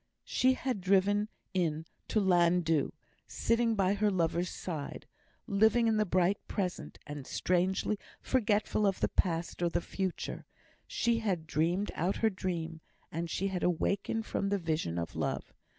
She had driven in to Llan dhu, sitting by her lover's side, living in the bright present, and strangely forgetful of the past or the future; she had dreamed out her dream, and she had awakened from the vision of love.